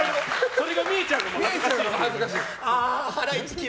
それが見えちゃうのが恥ずかしいですね。